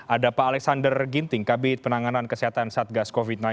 ada pak alexander ginting kabit penanganan kesehatan satgas covid sembilan belas